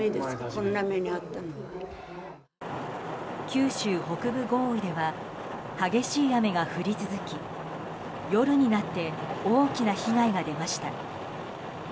九州北部豪雨では激しい雨が降り続き夜になって大きな被害が出ました。